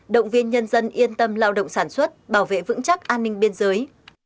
động viên nhân dân yên tâm lao động sản xuất bảo vệ vững chắc an ninh biên giới